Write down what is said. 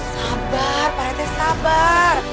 sabar pak netes sabar